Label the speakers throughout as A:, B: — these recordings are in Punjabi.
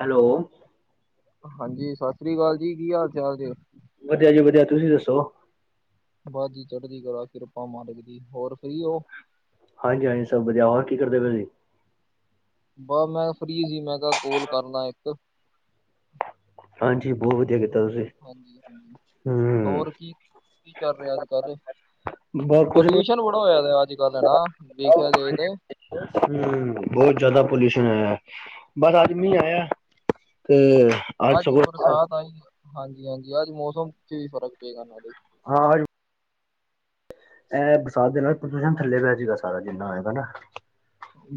A: ਹੈਲੋ
B: ਹਾਂਜੀ ਸਤਿ ਸ੍ਰੀ ਅਕਾਲ ਜੀ ਕੀ ਹਾਲ ਚਾਲ ਜੇ?
A: ਵਧੀਆ ਜੀ ਵਧੀਆ ਤੁਸੀਂ ਦੱਸੋ।
B: ਬਸ ਜੀ ਚੜਦੀ ਕਲਾ ਕਿਰਪਾ ਮਹਾਰਾਜ ਦੀ ਹੋਰ ਫਰੀ ਓ?
A: ਹਾਂਜੀ-ਹਾਂਜੀ ਸਭ ਵਧੀਆ ਹੋਰ ਕੀ ਕਰਦੇ ਪਏ ਸੀ?
B: ਬਸ ਮੈਂ ਫਰੀ ਸੀ ਮੈਂ ਕਿਹਾ ਕੋਲ ਕਰਲਾ ਇੱਕ।
A: ਹਾਂਜੀ ਬਹੁਤ ਵਧੀਆ ਕੀਤਾ ਤੁਸੀਂ,
B: ਹਾਂਜੀ ਹਾਂਜੀ
A: ਹੂੰ।
B: ਹੋਰ ਕੀ ਕੀ ਕਰ ਰਿਹਾ ਅੱਜਕੱਲ?
A: ਬਸ ਕੁੁਸ਼ ਨੀ।
B: [unintelligible] ਬੜਾ ਹੋਇਆ ਅੱਜਕੱਲ੍ਹ ਹਨਾ ਵੇਖਿਆ ਜਾਏ ਤੇ।
A: ਹੂੰ ਬਹੁਤ ਜ਼ਿਆਦਾ ਪੋਲਿਊਸ਼ਨ ਆਇਆ, ਬਸ ਅੱਜ ਮੀਂਹ ਆਇਆ। ਤੇ
B: ਅੱਜ ਬਰਸਾਤ ਆਈ ਹਾਂਜੀ-ਹਾਂਜੀ ਅੱਜ ਮੌਸਮ ਵੀ ਫ਼ਰਕ ਪਏਗਾ ਨਾਲੇ।
A: ਹਾਂ ਇਹ ਬਰਸਾਤ ਦੇ ਨਾਲ ਪ੍ਰਦੂਸ਼ਣ ਥੱਲੇ ਪੈ ਜਾਗਾ ਸਾਰਾ ਜਿੰਨਾ ਹੋਏਗਾ ਨਾ।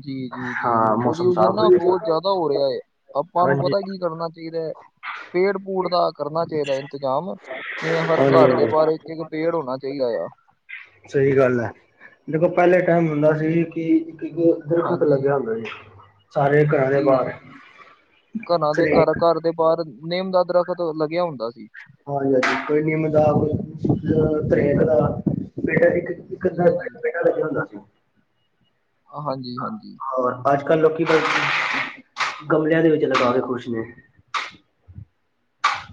B: ਜੀ ਜੀ ਜੀ
A: ਹਾਂ ਮੌਸਮ
B: ਪ੍ਰਦਿਊਸ਼ਣ
A: ਸਾਫ਼ ਹੋ
B: ਨਾ ਬਹੁਤ
A: ਜਾਏਗਾ
B: ਜ਼ਿਆਦਾ ਹੋ ਰਿਹਾ ਏ। ਆਪਾਂ ਨੂੰ
A: ਹਾਂਜੀ
B: ਪਤਾ ਕੀ ਕਰਨਾ ਚਾਹੀਦਾ। ਪੇੜ-ਪੂੜ ਦਾ ਕਰਨਾ ਚਾਹੀਦਾ ਇੰਤਜ਼ਾਮ ਜਿਵੇਂ ਹਰ
A: ਹਾਂਜੀ
B: ਘਰ ਦੇ ਬਾਰੇ
A: ਹਾਂਜੀ
B: ਇੱਕ ਪੇੜ ਹੋਣਾ ਚਾਹੀਦਾ ਆ।
A: ਸਹੀ ਗੱਲ ਐ, ਦੇਖੋ ਪਹਿਲੇ ਟਾਈਮ ਹੁੰਦਾ ਸੀ ਕਿ ਇੱਕ ਦਰਖਤ
B: ਹਾਂਜੀ
A: ਲੱਗਿਆ ਹੁੰਦਾ ਸੀ। ਸਾਰੇ ਘਰਾਂ ਦੇ
B: ਜੀ ਜੀ
A: ਬਾਹਰ।
B: ਘਰਾਂ ਦੇ
A: ਕ
B: ਘਰ ਘਰ ਦੇ ਬਾਹਰ ਨੇਮ ਦਾ ਦਰਖਤ ਲੱਗਿਆ ਹੁੰਦਾ ਸੀ।
A: ਹਾਂਜੀ-ਹਾਂਜੀ ਕੋਈ ਨਿੰਮ ਦਾ, ਕੋਈ ਤਰੇਕ ਦਾ, ਪੇਡ ਇੱਕ ਇੱਕ ਅੱਧਾ [unintelligible]
B: ਜੀ, ਜੀ।
A: ਲੱਗਿਆ ਹੁੰਦਾ ਸੀ।
B: ਹਾਂਜੀ-ਹਾਂਜੀ।
A: ਹੋਰ ਅੱਜਕੱਲ੍ਹ ਲੋਕੀ ਬਈ ਗਮਲਿਆਂ ਦੇ ਵਿੱਚ ਲਗਾ ਕੇ ਖ਼ੁਸ਼ ਨੇ।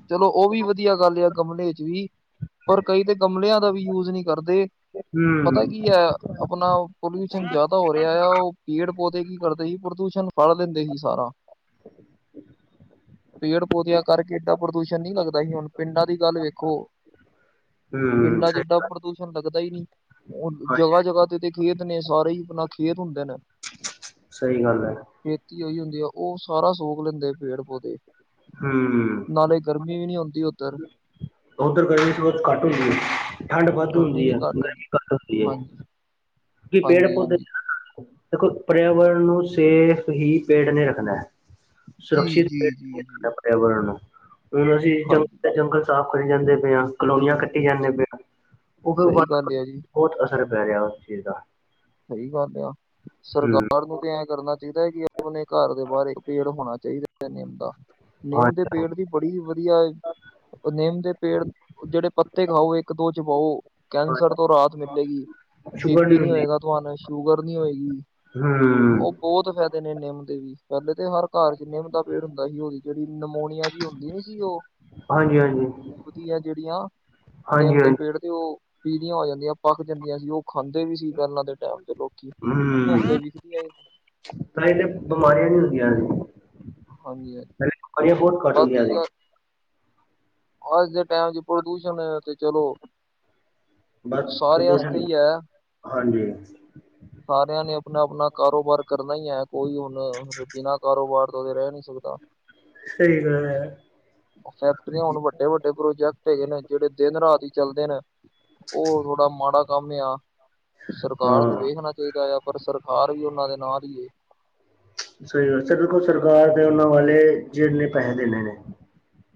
B: ਚਲੋ ਉਹ ਵੀ ਵਧੀਆ ਗੱਲ ਆ, ਗਮਲੇ ਚ' ਵੀ ਪਰ ਕਈ ਤਾਂ ਗਮਲਿਆਂ ਦਾ ਵੀ ਯੂਜ ਨਹੀਂ ਕਰਦੇ, ਪਤਾ
A: ਹੂੰ
B: ਕੀ ਹੈ ਆਪਣਾ ਪੋਲਿਊਸ਼ਨ ਜ਼ਿਆਦਾ ਹੋ ਰਿਹਾ ਆ, ਉਹ ਪੇੜ ਪੌਦੇ ਕੀ ਕਰਦੇ ਸੀ ਪ੍ਰਦੂਸ਼ਣ ਫੜ ਲੈਂਦੇ ਸੀ ਸਾਰਾ ਪੇੜ ਪੌਦਿਆਂ ਕਰਕੇ ਦਾਂ ਪ੍ਰਦੂਸ਼ਣ ਨਹੀਂ ਲੱਗਦਾ, ਹੀ ਹੁਣ ਪਿੰਡਾਂ ਦੀ ਗੱਲ ਵੇਖੋ
A: ਹੂੰ
B: ਪਿੰਡਾਂ
A: ਸਹੀ
B: ਦਾਂ
A: ਗੱਲ
B: ਪ੍ਰਦੂਸ਼ਣ ਲੱਗਦਾ ਹੀ ਨਹੀਂ,
A: ਹਾਂਜੀ
B: ਜਗ੍ਹਾ-ਜਗ੍ਹਾ ਤੇ ਤੇ ਖੇਤ ਨੇ, ਸਾਰੇ ਹੀ ਆਪਣਾ ਖੇਤ ਹੁੰਦੇ ਨੇ
A: ਸਹੀ ਗੱਲ ਹੈ
B: ਖੇਤੀ ਹੋਹੀ ਹੁੰਦੀ ਆ, ਉਹ ਸਾਰਾ ਸੋਕ ਲੈਂਦੇ ਆ ਪੇੜ ਪੌਦੇ
A: ਹਮ
B: ਨਾਲੇ ਗਰਮੀ ਵੀ ਨਹੀਂ ਆਉਂਦੀ ਉੱਧਰ
A: ਉੱਧਰ ਗਰਮੀਹੁਤ ਘੱਟ ਹੁੰਦੀ ਹੈ, ਠੰਡ ਵੱਧ
B: ਗਰਮੀ
A: ਹੁੰਦੀ
B: ਵੀ
A: ਹੈ,
B: ਘੱਟ ਹੁੰਦੀ
A: ਗਰਮੀ ਘੱਟ ਹੁੰਦੀ ਹੈ
B: ਹਾਂਜੀ,
A: ਪੇੜ
B: ਹਾਂਜੀ,
A: ਪੌਦੇੇ,
B: ਹਾਂਜੀ
A: ਦੇਖੋ ਪਰਿਆਵਰਨ ਨੂੰ ਸੇਫ ਹੀ ਪੇੜ ਨੇ ਰੱਖਨਾ ਹੈ।
B: ਜੀ,
A: ਸੁਰੱਖਿਤ
B: ਜੀ, ਜੀ, ਜੀ
A: ਪਰਿਆਵਰਨ ਨੂੰ, ਹੁਣ ਅਸੀਂ
B: ਹਾਂਜੀ,
A: ਜੰਗ
B: ਹਾਂਜੀ
A: ਜੰਗਲ ਸਾਫ਼ ਕਰੀ ਜਾਂਦੇ ਪਏ ਆ, ਕਲੋਨੀਆਂ ਕੱਟੀ ਜਾਂਦੇ
B: ਚ-
A: ਪਏ ਉਹ
B: ਸਹੀ ਗੱਲ ਆ ਜੀ,
A: ਬਹੁਤ ਅਸਰ ਪੈ ਰਿਹਾ ਉਸ ਚੀਜ਼ ਦਾ
B: ਸਹੀ ਗੱਲ ਆ,
A: ਹੂੰ
B: ਸਰਕਾਰ ਨੂੰ ਤੇ' ਐਂ ਕਰਨਾ ਚਾਹੀਦਾ ਕਿ, ਆਪ ਆਪਣੇ ਘਰ ਦੇ ਬਾਹਰ ਪੇੜ ਹੋਣਾ ਚਾਹੀਦਾ ਹੈ ਨਿਮ ਦਾ ਨਿੰਮ ਦੇ
A: ਹਾਂਜੀ
B: ਪੇੜ ਦੀ ਬੜੀ ਵਧੀਆ, ਨਿੰਮ ਦੇ ਪੇੜ ਜਿਹੜੇ ਪੱਤੇ ਖਾਓ ਇੱਕ ਦੋ ਚ' ਚਬਾਓ,
A: ਹਾਂਜੀ,
B: ਕੈਂਸਰ ਤੋਂ ਰਾਤ ਮਿਲੇਗੀ, ਬੀ
A: ਸ਼ੂਗਰ
B: ਪੀ ਨਹੀਂ
A: ਹੁੰਦੀ
B: ਹੋਏਗਾ ਤੁਹਾਨੂੰ ਸ਼ੂਗਰ ਨੀ ਹੋਏਗੀ, ਉਹ
A: ਹੂੰ
B: ਬਹੁਤ ਫਾਇਦੇ ਨੇ ਨਿੰਮ ਦੇ ਵੀ, ਪਹਿਲੇ ਤੇ ਹਰ ਘਰ ਚ' ਨਿੰਮ ਦਾ ਪੇੜ ਹੁੰਦਾ ਸੀ। ਉਹਦੀ ਜਿਹੜੀ ਨਮੋਨੀਆ ਜਿਹੀ ਹੁੰਦੀ ਨੀ ਸੀ ਉਹ
A: ਹਾਂਜੀ ਹਾਂਜੀ
B: ਉਗਦੀਆਂ ਜਿਹੜੀਆਂ
A: ਹਾਂਜੀ
B: ਨਿੰਮ ਦੇ
A: ਹਾਂਜੀ
B: ਪੇੜ ਤੇ' ਉਹ ਪੀਲੀਆਂ ਹੋ ਜਾਂਦੀਆਂ ਪਕ ਜਾਂਦੀਆਂ ਸੀ, ਉਹ ਖਾਂਦੇ ਵੀ ਸੀ ਪਹਿਲਾਂ ਦੇ ਟੈਮ ਤੇ ਲੋਕ ਹੁਣ ਤੇ ਵਿਖਦੀਆਂ ਹੀ ਨੀ
A: ਤਾਂ ਇਹੇ ਬਿਮਾਰੀਆਂ ਨਹੀਂ ਹੁੰਦੀਆਂ ਨੇ
B: ਹਾਂਜੀ ਹਾਂ
A: ਪਰ ਬਹੁਤ ਕਟ ਗਿਆ ਨੇ
B: ਅੱਜ ਦੇ ਟਾਈਮ ਚ' ਪ੍ਰਦੂਸ਼ਣ ਹੈ ਤੇ ਚਲੋ,
A: ਬਸ
B: ਸਾਰਿਆਂ ਵਸਤੇ
A: ਪ੍ਰਦੂਸ਼ਣ
B: ਹੀ ਹੈ।
A: ਹਾਂਜੀ
B: ਸਾਰਿਆਂ ਨੇ ਆਪਣਾ-ਆਪਣਾ ਕਾਰੋਬਾਰ ਕਰਨਾ ਹੀ ਹੈ ਕੋਈ ਹ ਹੁਨ ਬਿਨਾਂ ਕਾਰੋਬਾਰ ਤਾਂ, ਉਹਦੇ ਰਹਿ ਨੀ ਸਕਦਾ।
A: ਸਹੀ ਗਲ ਹੈ।
B: ਫੈਕਟਰੀਆਂ ਹੁਣ ਵੱਡੇ-ਵੱਡੇ ਪ੍ਰੋਜੈਕਟ ਹੈਗੇ ਨੇ ਜਿਹੜੇ, ਦਿਨ- ਰਾਤ ਹੀ ਚੱਲਦੇ ਨੇ ਹੋਰ ਥੋੜਾ ਮਾੜਾ ਕੰਮ ਆ ਸਰਕਾਰ ਨੂੰ
A: ਹਾਂ
B: ਵੇਖਣਾ ਚਾਹੀਦਾ ਆ, ਪਰ ਸਰਕਾਰ ਵੀ ਉਹਨਾਂ ਦੇ ਨਾਲ ਹੀ ਏ।
A: ਸਹੀ ਗੱਲ, ਸਰ ਦੇਖੋ ਸਰਕਾਰ ਦੇ ਉਹਨਾਂ ਵਲ ਜਿਣੇ ਨੇ ਪੈਸੇ ਦੇਣੇ ਨੇ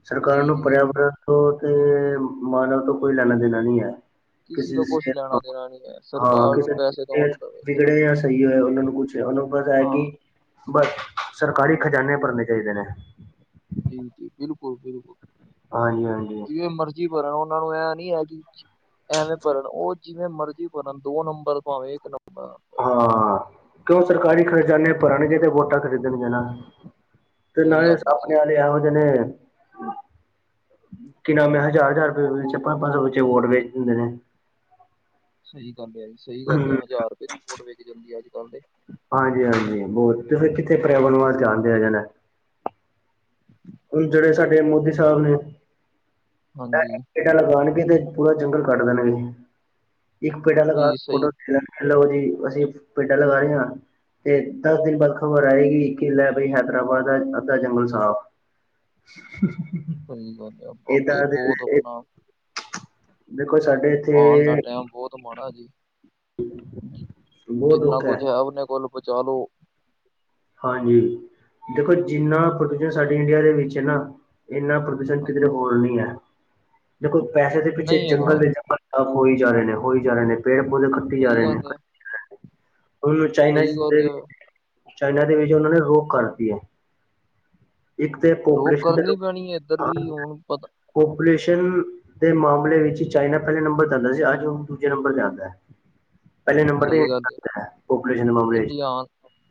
A: ਸਰਕਾਰਾਂ
B: ਜੀ
A: ਨੂੰ
B: ਜੀ
A: ਪਰਿਆਵਰਨ ਤੋਂ, ਤੇ ਮਾਨਵ ਤੋਂ ਕੋਈ ਲੈਣਾ ਦੇਣਾ ਨਹੀਂ ਹੈ। ਕਿਸੇ ਦੀ
B: ਦਾ ਕੁਛ
A: ਸਿਹਤ
B: ਲੈਣਾ
A: ਤੋਂ,
B: ਦੇਣਾ ਨੀ ਹੈ
A: ਹਾਂ
B: ਸਰਕਾਰ ਨੂੰ
A: ਕਿਸੇ
B: ਪੈਸੇ ਤੋਂ
A: ਸਿਹਤ
B: ਮਤਲਬ ਹੈ
A: ਵਿਗੜੇ ਜਾਂ ਸਹੀ ਹੋਏ, ਉਹਨਾਂ ਨੂੰ ਕੁਛ ਉਹਨੂੰ ਬਸ ਏ ਹੈ
B: ਹਾਂ
A: ਕਿ ਬਸ, ਸਰਕਾਰੀ ਖਜ਼ਾਨੇ ਭਰਨੇ ਚਾਹੀਦੇ ਨੇ।
B: ਜੀ-ਜੀ, ਬਿਲਕੁਲ-ਬਿਲਕੁਲ
A: ਹਾਂਜੀ-ਹਾਂਜੀ।
B: ਜਿਵੇਂ ਮਰਜ਼ੀ ਭਰਨ, ਉਹਨਾਂ ਨੂੰ ਇਹ ਨੀ ਹੈ ਕਿ ਐਵੇਂ ਭਰਨ, ਉਹ ਜਿਵੇਂ ਮਰਜੀ ਭਰਨ, ਦੋ ਨੰਬਰ ਭਾਵੇਂ ਇੱਕ ਨੰਬਰ
A: ਹਾਂ, ਕਿਉਂ ਸਰਕਾਰੀ ਖ਼ਜ਼ਾਨੇ ਭਰਣਗੇ, ਤੇ ਵੋਟਾਂ ਖ਼ਰੀਦਣ ਗੀਆ ਨਾ ਤੇ
B: ਸਹੀ
A: ਨਾਲੇ
B: ਗੱਲ ਹੈ
A: ਆਪਣੇੇ
B: ਸਹੀ
A: ਆਲੇ ਇਹੋ ਜਿਹੇ ਨੇ ਕਿ ਨਵੇਂ ਹਜ਼ਾਰ-ਹਜ਼ਾਰ ਰੁਪਏ ਵਿੱਚ ਪੰਜ-ਪੰਜ ਸੌ ਵਿੱਚੇ ਵੋਟ ਵੇਚ ਦਿੰਦੇ ਨੇ।
B: ਸਹੀ ਗੱਲ ਆ ਜੀ ਸਹੀ ਗੱਲ
A: ਹਮ,
B: ਆ ਹਜ਼ਾਰ ਰੁਪਏ ਦੀ ਵੋਟ ਵਿਕ ਜਾਂਦੀ ਆ ਅੱਜ ਕੱਲ ਤੇ।
A: ਹਾਂਜੀ-ਹਾਂਜੀ ਬਹੁਤ ਫਿਰ ਕਿੱਥੇ ਪਰਿਆਵਰਨ ਵਾਸੇ ਧਿਆਨ‌ ਦੇਆ ਜਾਣਾ।
B: [inaudible]
A: ਹੁਣ ਜਿਹੜੇ ਸਾਡੇ ਮੋਦੀ ਸਾਹਿਬ ਨੇ, ਐ-
B: ਹਾਂਜੀ
A: ਪੇਡਾ ਲਗਾਣਗੇ ਤੇ ਪੂਰਾ ਜੰਗਲ ਕੱਟ ਦੇਣਗੇ। ਇੱਕ ਪੇਡਾ ਲਗਾ
B: ਜੀ
A: ਕੇ ਫੋਟੋ
B: ਸਹੀ
A: ਖਿਚ ਲੈਣਗੇ। ਲਓ ਜੀ ਅਸੀਂ ਪੇਡਾਂ ਲਗਾ ਰਹੇ ਆ ਤੇ ਦਸ ਦਿਨ ਬਾਅਦ ਖ਼ਬਰ ਆਏਗੀ ਕਿ ਲੈ ਬਈ ਹੈਦਰਾਬਾਦ ਦਾ ਅੱਧਾ ਜੰਗਲ ਸਾਫ਼।
B: ਸਹੀ ਗੱਲ ਆ
A: ਇਹ
B: ਬਾਬਾ
A: ਦਾਂ
B: ਜੀ ਬਹੁਤ
A: ਤੇ
B: ਆਪਣਾ
A: ਦੇਖੋ ਸਾਡੇ
B: ਆਉਣ ਦਾ
A: ਇੱਥੇ
B: ਟਾਈਮ ਬਹੁਤ ਮਾੜਾ ਜੀ,
A: ਬਹੁਤ
B: ਜਿੰਨਾ
A: ਦੁੱਖ
B: ਕੁਛ ਹੈ ਉਹਨੇ ਕੁਲ ਪਚਾਲੋ
A: ਹਾਂਜੀ, ਦੇਖੋ ਜਿੰਨਾ ਪੋਲਿਊਸ਼ਨ ਸਾਡੇ ਇੰਡੀਆ ਦੇ ਵਿੱਚ ਏ ਨਾ ਇੰਨਾ ਪ੍ਰਦੂਸ਼ਣ ਕਿਧਰੇ ਹੋਰ ਨੀ ਐ, ਦੇਖੋ ਪੈਸੇ ਦੇ ਪਿੱਛੇ
B: ਨਹੀਂ
A: ਜੰਗਲ
B: ਹੈਗਾ
A: ਦੇ ਜੰਗਲ ਹੋਈ ਜਾ ਰਹੇ ਨੇ ਹੋਈ ਜਾ ਰਹੇ ਨੇ ਪੇੜ ਪੌਦੇ ਖੱਟੀ ਜਾ
B: ਸਹੀ
A: ਰਹੇ ਨੇ
B: ਗੱਲ ਆ
A: ਉਹ ਚਾਈਨਾ
B: ਸਹੀ
A: ਤੇ
B: ਗੱਲ
A: ਵੀ,
B: ਆ
A: ਚਾਈਨਾ ਦੇ ਵਿੱਚ ਉਹਨਾਂ ਨੇ ਰੋਕ ਕਰਤੀ ਐ। ਇੱਕ ਤਾਂ
B: ਰੋਕ
A: ਪੋਪੂਲੇਸ਼ਨ ਦੇ
B: ਕਰਨੀ ਪੈਣੀ ਹੈ ਇੱਧਰ ਵੀ
A: [unintelligible]
B: ਹੁਣ ਪਤਾ
A: ਪਪੂਲੇਸ਼ਨ ਦੇ ਮਾਮਲੇ ਵਿੱਚ ਚਾਈਨਾ ਪਹਿਲੇ ਨੰਬਰ ਤੇ ਆਂਦਾ ਸੀ ਅੱਜ ਉਹ ਦੂਜੇ ਨੰਬਰ ਤੇ ਆਂਦਾ। ਪਹਿਲੇ ਨੰਬਰ ਤੇ
B: ਸਹੀ ਗੱਲ
A: ਇੰਡੀਆ
B: ਹੈ
A: ਆਂਦਾ ਪਾਪੂਲੇਸ਼ਨ ਦੇ ਮਾਮਲੇ 'ਚ
B: ਇੰਡੀਆ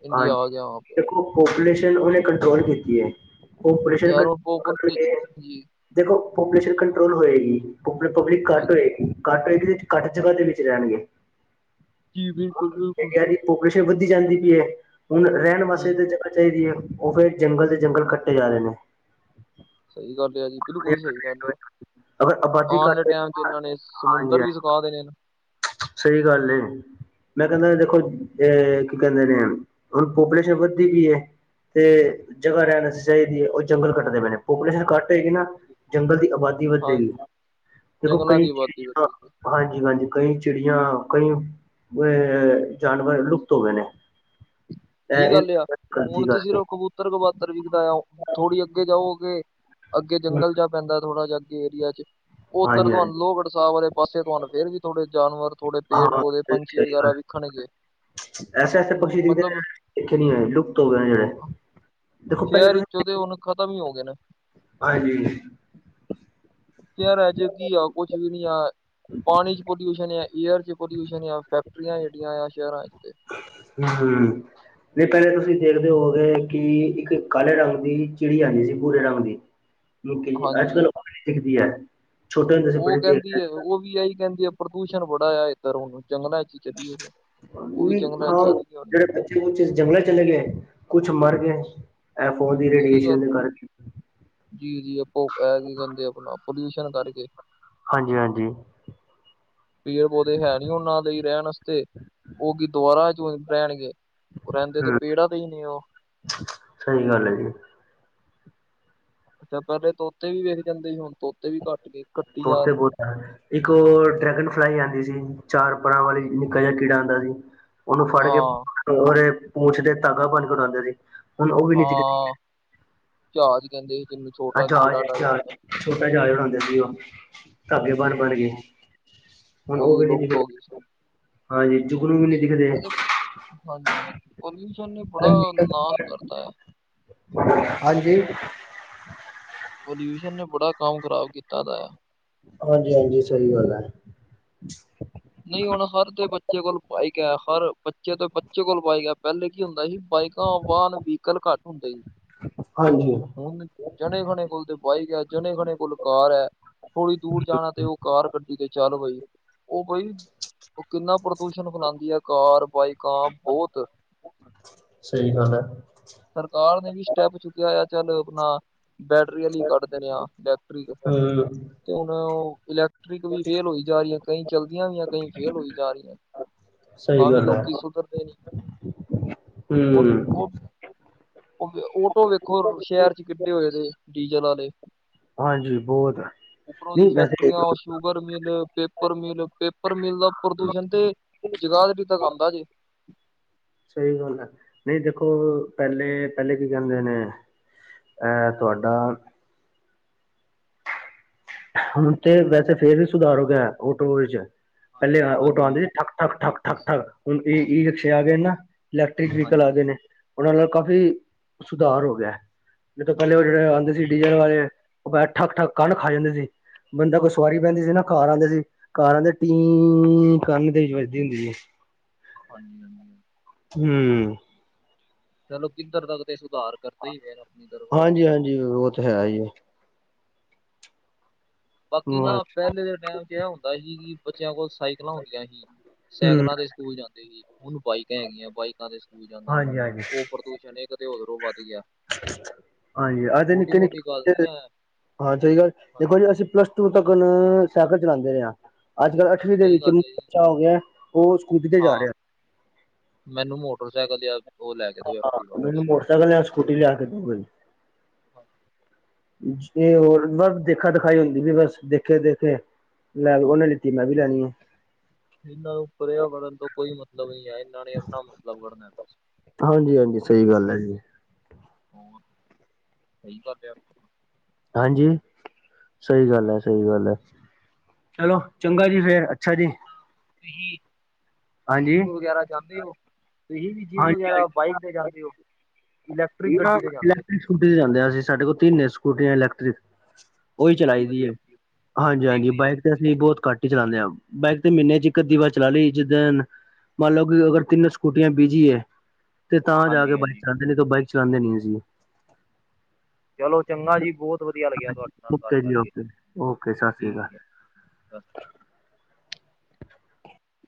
B: ਇੰਡੀਆ ਆ ਗਿਆ
A: ਹਾਂਜੀ ਦੇਖੋ ਪੋਪੂਲੇਸ਼ਨ ਉਹਨੇ ਕੰਟਰੋਲ ਕੀਤੀ ਏ, ਪਾਪੂਲੇਸ਼ਨ
B: ਯਾਰ ਉਹ ਪੋਪੂ
A: ਕਟਗੇ
B: ਜੀ
A: ਦੇਖੋ ਪਾਪੂਲੇਸ਼ਨ ਕੰਟਰੋਲ ਹੋਏਗੀ, ਪਬ ਪਬਲਿਕ ਘੱਟ
B: ਹਾਂਜੀ
A: ਹੋਏਗੀ ਘੱਟ ਰੇਟ ਵਿੱਚ ਘੱਟ ਜਗ੍ਹਾ ਦੇ ਵਿੱਚ ਰਹਿਣਗੇ।
B: ਜੀ ਬਿਲਕੁਲ-ਬਿਲਕੁਲ।
A: ਇੰਡੀਆ ਦੀ ਪੋਪੂਲੇਸ਼ਨ ਵੱਧਦੀ ਜਾਂਦੀ ਪਈ ਏ ਹੁਣ ਰਹਿਣ ਵਾਸਤੇ
B: ਹੂੰ
A: ਤਾਂ ਜਗ੍ਹਾ ਚਾਹੀਦੀ ਹੈ ਉਹ ਫੇਰ ਜੰਗਲ ਦੇ ਜੰਗਲ ਕੱਟੇ ਜਾ ਰਹੇ ਨੇ।
B: ਸਹੀ ਗੱਲ ਆ ਜੀ ਬਿਲਕੁਲ ਸਹੀ ਗੱਲ ਆ,
A: ਅਗਰ ਆਬਾਦੀ
B: ਆਉਣ
A: ਘੱਟ
B: ਆਲੇ
A: ਹੋਏਗੀ
B: ਟੈਮ
A: ਨਾ
B: ਇਹਨਾਂ ਨੇ
A: ਹਾਂਜੀ
B: ਸਮੁੰਦਰ ਵੀ
A: ਹਾਂਜੀ
B: ਸੁਖਾ ਦੇਣੇ ਨੇ।
A: ਸਹੀ ਗੱਲ ਏ। ਮੈਂ ਕਹਿੰਦਾ ਦੇਖੋ ਅ ਕੀ ਕਹਿੰਦੇ ਨੇ, ਹੁਣ ਪੋਪੂਲੇਸ਼ਨ ਵੱਧਦੀ ਪਈ ਏ ਤੇ ਜਗ੍ਹਾ ਰਹਿਣ ਵਾਸਤੇ ਚਾਹੀਦੀ ਏ ਔਰ ਜੰਗਲ ਕੱਟਦੇ ਪਏ ਨੇ ਪੋਪੂਲੇਸ਼ਨ ਘਟ ਹੋਏਗੀ ਨਾ ਜੰਗਲ ਦੀ ਆਬਾਦੀ ਵਧੇਗੀ।
B: ਹਾਂਜੀ
A: ਦੇਖੋ
B: ਜੰਗਲਾਂ
A: ਕਈ
B: ਦੀ ਆਬਾਦੀ
A: ਚੀਜ਼
B: ਵਧੇਗੀ
A: ਹਾਂਜੀ-ਹਾਂਜੀ ਕਈ ਚਿੜੀਆਂ, ਕਈ ਅ ਜਾਨਵਰ ਲੁਪਤ ਹੋ ਗਏ ਨੇ।
B: ਸਹੀ
A: ਇਹ
B: ਗੱਲ ਆ, ਹੁਣ
A: ਗਲਤੀ
B: ਤੇ
A: ਕਰਕੇ
B: ਸਿਰਫ ਕਬੂਤ ਬੂਤਰ ਕਵਾਤਰ ਵਿਖਦਾਇਆ, ਥੋੜ੍ਹੀ ਅੱਗੇ ਜਾਓਗੇ ਅੱਗੇ ਜੰਗਲ ਜਾ ਪੈਂਦਾ ਥੋੜਾ ਜਾ ਅੱਗੇ ਏਰੀਆ ਚ ਉੱਧਰ
A: ਹਾਂਜੀ ਹਾਂਜੀ
B: ਤੁਹਾਨੁ ਲੋਹਗੜ੍ਹ ਸਾਹਿਬ ਵਾਲੇ ਪਾਸੇ ਤੁਹਾਨੂੰ ਫਿਰ ਵੀ ਥੋੜੇ ਜਾਨਵਰ, ਥੋੜੇ
A: ਹਾਂ
B: ਪੇੜ-ਪੌਦੇ ਪੰਛੀ ਵਗੈਰਾ ਵਿਖਣਗੇ। [inaudible]
A: ਐਸੇ-ਐਸੇ ਪਕਸੀ਼
B: ਮ-
A: ਦਿਖਦੇ ਨੇ
B: ਮਤਲਬ
A: ਜਿਹੜੇ ਦੇਖੇ ਨੀ ਹੋਏ ਲੁਪਤ ਹੋ ਗਏ ਨੇ। ਦੇਖੋ ਪਹਿਲੇ
B: ਸ਼ਹਿਰ
A: ਤੁਸੀਂ
B: ਵਿੱਚੋਂ ਤੇ ਹੁਣ ਖਤਮ ਹੀ ਹੋ ਗਏ ਨੇ।
A: ਹਾਂਜੀ
B: ਯਾਰ ਅੱਜ ਕੀ ਆ ਕੁਛ ਵੀ ਨੀ ਆ। ਪਾਣੀ 'ਚ ਪੋਲਿਊਸ਼ਨ ਆ ਏਅਰ 'ਚ ਪੋਲਿਊਸ਼ਨ ਆ ਫੈਕਟਰੀਆਂ ਜਿਹੜੀਆਂ ਆ ਸ਼ਹਿਰਾਂ ਚ ਤੇ
A: ਹੂੰ-ਹੂੰ ਨਹੀਂ ਪਹਿਲੇ ਤੁਸੀਂ ਦੇਖਦੇ ਹੋਗੇ ਕਿ ਇੱਕ ਕਾਲੇ ਰੰਗ ਦੀ ਚਿੜੀ ਆਂਦੀ ਸੀ ਭੂਰੇ ਰੰਗ ਦੀ।
B: [inaudible]
A: ਅੱਜ ਕੱਲ
B: ਹਾਂਜੀ-ਹਾਂਜੀ।
A: ਦਿਖਦੀ ਹੈ
B: ਉਹ ਕਹਿੰਦੀ ਹੈ ਉਹ ਵੀ ਇਹੀ ਕਹਿੰਦੀ ਹੈ ਪ੍ਰਦੂਸ਼ਣ ਬੜਾ ਆ ਇੱਧਰ ਹੁਣ ਜੰਗਲਾਂ ਚਲੀਏ ਫਿਰ, ਉਹ ਵੀ ਜੰਗਲਾਂ ਚ
A: ਹਾਂ
B: ਚੱਲ ਗਈ ਹੋਣੀਆਂ
A: ਜਿਹੜੇ ਬੱਚੇ ਕੁਛ ਜੰਗਲ ਚਲੇ ਗਏ ਕੁਛ ਮਰ ਗਏ ਫੋਨ ਦੀ
B: ਸਹੀ
A: ਰੇਡੀਏਸ਼ਨ
B: ਗੱਲ।
A: ਦੇ ਕਾਰਨ
B: ਜੀ-ਜੀ ਆਪਾਂ ਇਹ ਕੀ ਕਹਿੰਦੇ ਆਪਣਾ ਪੋਲਿਊਸ਼ਨ ਕਰਕੇ
A: ਹਾਂਜੀ -ਹਾਂਜੀ
B: ਪੇੜ ਪੌਦੇ ਹੈ ਨੀ ਉਹਨਾਂ ਦੇ ਰਹਿਣ ਵਾਸਤੇ ਉਹ ਕੀ ਦੁਬਾਰਾ ਚ ਰਹਿਣਗੇ ਰਹਿੰਦੇ ਤੇ
A: ਹੂੰ
B: ਪੇਹੜਾ ਤੇ ਹੀ ਨੇ ਉਹ
A: ਸਹੀ ਗੱਲ ਹੈ ਜੀ
B: ਅੱਛਾ ਪਹਿਲੇ ਤੋਤੇ ਵੀ ਵੇਖ ਜਾਂਦੇ ਸੀ ਹੁਣ ਤੋਤੇ ਵੀ ਘੱਟ ਨੇ ਘੱਟੀ ਜਾ
A: ਤੋਤੇ
B: ਰਹੇ ਨੇ
A: ਇੱਕ ਉਹ ਡਰੈਗਨ ਫਲਾਈ ਆਉਂਦੀ ਸੀ ਚਾਰ ਪਰਾਂ ਵਾਲੀ ਨਿੱਕਾ ਜਿਹਾ ਕੀੜਾ ਆਉਂਦਾ ਸੀ ਉਹਨੂੰ ਫੜ ਕੇ
B: ਹਾਂ,
A: ਪੂੰਛਦੇ ਧਾਗਾ ਬੰਨ ਉਡਾਉਂਦੇ ਸੀ ਹੁਣ ਉਹ ਵੀ ਨੀ ਦਿਖ
B: ਹਾਂ ਜਹਾਜ਼ ਕਹਿੰਦੇ ਸੀ ਉਹਨੂੰ
A: ਆ
B: ਛੋਟਾ
A: ਜਹਾਜ਼
B: ਕੀੜਾ ਟਾਈਪ ਹੁੰਦਾ
A: ਜਹਾਜ਼ ਛੋਟਾ ਜਹਾਜ਼ ਉੜਾਉਂਦੇ ਸੀ ਉਹ ਧਾਗੇ ਬੰਨ-ਬੰਨ
B: ਹਾਂ,
A: ਕੇਹੁਣ ਉਹ ਵੀ
B: ਲੁਪਤ ਹੋ ਗਈ।
A: ਹਾਂਜੀ ਜੁਗਨੂ ਵੀ ਨੀ ਦਿਖਦੇ
B: ਹਾਂਜੀ -ਹਾਂਜੀ ਪੋਲਿਊਸ਼ਨ ਨੇ ਬੜਾ ਨਾਸ਼ ਕਰਤਾ ਹੈ
A: ਹਾਂਜੀ
B: ਪੋਲਿਊਸ਼ਨ ਨੇ ਬੜਾ ਕੰਮ ਖ਼ਰਾਬ ਕੀਤਾ ਦਾ ਆ
A: ਹਾਂਜੀ- ਹਾਂਜੀ ਸਹੀ ਗੱਲ ਹੈ
B: ਨਹੀਂ, ਹੁਣ ਹਰ ਦੇ ਬੱਚੇ ਕੋਲ ਬਾਈਕ ਹੈ ਹਰ ਬੱਚੇ ਤੋਂ ਬੱਚੇ ਕੋਲ ਬਾਈਕ ਹੈ ਪਹਿਲੇ ਕੀ ਹੁੰਦਾ ਸੀ ਬਾਈਕ ਤਾਂ ਵਾਹਨ ਵਹੀਕਲ ਘੱਟ ਹੁੰਦਾ ਜੀ
A: ਹਾਂਜੀ
B: ਹੁਣ ਜਣੇ ਖਣੇ ਕੋਲ ਤੇ ਬਾਈਕ ਹੈ ਜਣੇ ਖਣੇ ਕੋਲ ਕਾਰ ਹੈ ਥੋੜੀ ਦੂਰ ਜਾਣਾ ਤੇ ਉਹ ਕਾਰ ਕੱਢੀ ਤੇ ਚੱਲ ਬਾਈ ਕੋਈ ਉਹ ਕਿੰਨਾ ਪ੍ਰਦੂਸ਼ਣ ਫੈਲਾਉਂਦੀ ਹੈ ਕਾਰ ਬਾਈਕਾਂ ਬਹੁਤ [inaudible]
A: ਸਹੀ ਗੱਲ ਹੈ
B: ਸਰਕਾਰ ਨੇ ਵੀ ਸਟੈਪ ਚੁੱਕਿਆ ਆ ਚੱਲ ਆਪਣਾ ਬੈਟਰੀ ਵਾਲੀ ਕੱਢ ਦੇਣੇ ਆ ਇਲੈਕਟ੍ਰਿਕ
A: ਹੂੰ
B: ਤੇ ਹੁਣਲੈਕ ਟਿਕ ਵੀ ਫੇਲ ਹੋਈ ਜਾ ਰਹੀ ਹੈ ਕਈ ਚਲਦੀਆਂ ਵੀਆਂ ਕਈ ਫੇਲ ਹੋਈ ਜਾ ਰਹੀਆਂ ਤਾਂ ਵੀ ਲੋਕੀ ਸੁਧਰਦੇ ਨੀ
A: ਹਮ
B: ਉਹ ਓਟੋ ਵੇਖੋ ਸ਼ਹਿਰ ਚ ਕਿੰਨੇ ਹੋਏ ਦੇ ਡੀਜ਼ਲ ਵਾਲੇ
A: ਹਾਂਜੀ ਬਹੁਤ ਆ
B: ਉੱਪਰੋਂ ਦੀ
A: ਨਹੀਂ ਵੈਸੇ
B: ਫੈਕਟਰੀਆਂ ਉਹ sugar mill paper mill paper ਮਿਲਦਾ ਪ੍ਰਦੂਸ਼ਣ ਤੇ ਜਗਾਤਰੀ ਤੱਕ ਆਉਂਦਾ ਜੇ
A: ਸਹੀ ਗੱਲ ਹੈ ਨਹੀਂ ਦੇਖੋ ਪਹਿਲੇ -ਪਹਿਲੇ ਕੀ ਕਹਿੰਦੇ ਨੇ ਅ ਤੁਹਾਡਾ ਹੁਣ ਤੇ ਵੈਸੇ ਫੇਰ ਵੀ ਸੁਧਾਰ ਹੋ ਗਿਆ ਓਟੋਵਿੱਚ ਪਹਿਲੇ ਉਹ
B: ਹਾਂਜੀ
A: ਟੁਵਾਉਂਦੇ
B: ਹਾਂਜੀ
A: ਸੀ ਠੱਕ- ਠੱਕ -ਠੱਕ -ਠਕ -ਠੱਕ ਹੁਣ ਤੇ ਈ ਰਿਕਸ਼ੇ
B: ਸਹੀ
A: ਆ ਗਏ
B: ਗੱਲ
A: ਨਾ ਇਲੈਕਟ੍ਰਿਕ ਵਹੀਕਲ ਆ
B: ਹਾਂਜੀ
A: ਗਦੇ ਨੇ ਉਹਨਾਂ ਨਾਲ ਕਾਫ਼ੀ ਸੁਧਾਰ ਹੋ ਗਿਆ ਨੀ ਤੇ ਪਹਿਲੇ ਉਹ ਜਿਹੜੇ ਆਉਂਦੇ ਸੀ
B: ਸਹੀ
A: ਡੀਜ਼ਲ
B: ਗੱਲ ਹੈ
A: ਵਾਲੇ ਉਹੈ ਠੱਕ- ਠੱਕ ਕੰਨ ਖਾ ਜਾਂਦੇ ਸੀ ਬੰਦਾ ਕੋਈ ਸਵਾਰੀ ਬਹਿੰਦੀ ਸੀ ਤੇ ਘਰ ਆਉਂਦੇ ਸੀ ਘਰ ਆਉਂਦੇ ਸੀ ਤੇ ਟੀ ਕੰਨ ਵਿੱਚ ਵੱਜਦੀ ਸੀ
B: ਹਾਂਜੀ-ਹਾਂਜੀ
A: ਹੂੰ
B: ਚਲੋ ਕਿੱਧਰ ਦਾ ਤੇ ਸੁਧਾਰ ਕਰਦੇ ਹੀ ਫਿਰ ਆਪਣੀ ਤਰਫੋਂ
A: ਹਾਂਜੀ- ਹਾਂਜੀ ਉਹ ਤੇ ਹੈ ਈ ਏ।
B: ਬਾਕੀ ਨਾ
A: ਬਸ
B: ਪਹਿਲੇ ਦੇ ਟਾਈਮ 'ਚ ਇਹ ਹੁੰਦਾ ਸੀ, ਕਿ ਬੱਚਿਆਂ ਕੋਲ ਸਾਈਕਲਾਂ ਹੁੰਦੀਆਂ ਸੀ,
A: ਹਮ
B: ਸਾਈਕਲਾਂ ਤੇ ਸਕੂਲ ਜਾਂਦੇ ਸੀ, ਹੁਣ ਬਾਈਕਾਂ ਹੈਗੀਆਂ ਬਾਈਕਾਂ ਤੇ ਸਕੂਲ ਜਾਂਦੇ ਨੇ,
A: ਹਾਂਜੀ ਹਾਂਜੀ
B: ੳਹ ਪ੍ਰਦੂਸ਼ਣ, ਇੱਕ ਤੇ ਉਧਰੋਂ ਵਧ ਗਿਆ।
A: ਹਾਂਜੀ, ਅੱਜ
B: ਛੋਟੀ
A: ਨੀਕੇ-
B: ਮੋਟੀ ਗੱਲ
A: ਨੀਕੇ
B: ਨੀ ਹੈ
A: ਹਾਂ ਸਹੀ ਗੱਲ,
B: ਹਾਂ,
A: ਦੇਖੋ ਜੀ ਅਸੀਂ ਪਲੱਸ ਟੂ ਤੱਕਨ, ਸਾਈਕਲ ਚਲਾਉਂਦੇ ਰਹੇ ਹਾਂ ਅੱਜ- ਕੱਲ੍ਹ ਅਠਵੀ ਦੇ
B: ਸਹੀ
A: ਵਿੱਚ
B: ਗੱਲ ਹੈ ਜੀ।
A: ਬੱਚਾ ਹੋ ਗਿਆ, ਉਹ ਸਕੂਟੀ ਤੇ ਜਾ
B: ਹਾਂ
A: ਰਿਹਾ।
B: ਮੈਨੂੰ ਮੋਟਰਸਾਈਕਲ ਲਿਆ
A: ਹਾਂ, ਮੈਨੂੰ ਮੋਟਰਸਾਈਕਲ ਯਾਂ ਸਕੂਟੀ ਲਿਆ ਕੇ ਦੇਯੋ ਜੀ।
B: ਹਾਂ
A: ਜ ਹੋਰ, ਦੇਖਾ ਦਿਖਾਈ ਹੁੰਦੀ ਵੀ ਬਸ ਦੇਖੇ- ਦੇਖੇ ਲੈ ਬਈ ਉਹਨੇ ਲਿੱਤੀ ਮੈਂ ਵੀ ਲੈਣੀ ਏ।
B: ਇਹਨਾਂ ਨੂੰ ਪ੍ਰਯਾਵਰਣ ਤੋਂ ਕੋਈ ਮਤਲਬ ਨੀ ਏ, ਇਹਨਾਂ ਨੇ ਆਪਣਾ ਮਤਲਬ ਕਡਨਾ ਬਸ
A: ਹਾਂਜੀ- ਹਾਂਜੀ ਸਹੀ ਗੱਲ ਹੈ ਜੀ।
B: ਹੋਰ, ਸਹੀ ਗਲ ਆ।
A: ਹਾਂਜੀ, ਸਹੀ ਗੱਲ ਐ ਸਹੀ ਗੱਲ ਐ। ਚਲੋ, ਚੰਗਾ ਜੀ ਫੇਰ, ਅੱਛਾ ਜੀ।
B: ਤੁਸੀ,
A: ਹਾਂਜੀ
B: ਜਿੰਮ ਵਗੈਰਾ ਜਾਂਦੇ, ਓ। ਤੁਸੀ ਵੀ ਜਿੰਮ
A: ਹਾਂਜੀ
B: ਵਗੈਰਾ
A: ਹਾਂਜੀ
B: ਬਾਈਕ ਤੇ ਜਾਂਦੇ ਓ, ਇਲੈਕਟ੍ਰਿਕ ਗੱਡੀ ਤੇ ਜਾਂਦੇ ਓ।
A: ਇਲੈਕਟ੍ਰਿਕ ਸਕੂਟੀ ਤੇ ਜਾਂਦੇ ਆਂ ਅਸੀ, ਸਾਡੇ ਕੋਲ ਤਿੰਨ ਸਕੂਟੀਆਂ ਇਲੈਕਟ੍ਰਿਕ। ਉਹੀ
B: ਬੜੀ
A: ਚਲਾਈ ਦੀ ਏ,
B: ਵਧੀਆ ਬੜੀ
A: ਹਾਂਜੀ- ਹਾਂਜੀ
B: ਵਧੀਆ
A: ਬਾਈਕ ਅਸੀਂ ਬਹੁਤ ਘੱਟ ਈ ਚਲਾਉਂਦੇ ਆਂ, ਬਾਈਕ ਤੇ ਮਹੀਨੇ 'ਚ ਇੱਕ ਅੱਧੀ ਵਾਰੀ ਚਲਾ ਲਈ ਜਿੱਦਣ ਮੰਨ ਲਓ ਕਿ ਅਗਰ ਤਿੰਨ ਸਕੂਟੀਆਂ ਬੀਜੀ ਐ, ਤੇ ਤਾਂ ਜਾ ਕੇ
B: ਹਾਂਜੀ ਹਾਂਜੀ।
A: ਬਾਈਕ ਚਲਾਉਦੇ ਆਂ, ਨਈ ਤੇ ਬਾਈਕ ਚਲਾਉਦੇ ਨੀ ਅਸੀ।
B: ਚਲੋ ਚੰਗਾ
A: [unintelligible]
B: ਜੀ ਬਹੁਤ ਵਧੀਆ ਲੱਗਿਆ ਤੁਹਾਡੇ ਨਾਲ ਗੱਲ
A: ਓਕੇ ਜੀ
B: ਕਰਕੇ
A: ਓਕੇ, ਓਕੇ ਸਤਿ ਸ੍ਰੀ
B: ਠੀਕ ਹੈ ਸਤਿ ਸ਼੍ਰੀ
A: ਅਕਾਲ।
B: ਅਕਾਲ।